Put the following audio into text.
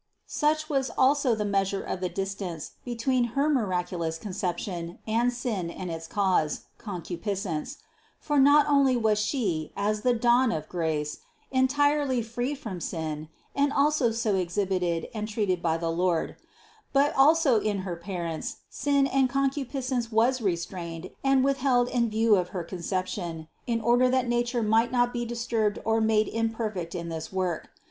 218. Such was also the measure of the distance be tween her miraculous Conception and sin and its cause, concupiscence; for not only was She, as the dawn of THE CONCEPTION 179 grace, entirely free from sin, and always so exhibited and treated by the Lord; but also in her parents, sin and concupiscence was restrained and withheld in view of her Conception, in order that nature might not be disturbed or made imperfect in this work.